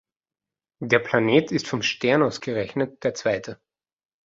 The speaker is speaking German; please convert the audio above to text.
Der Planet ist vom Stern aus gerechnet der zweite.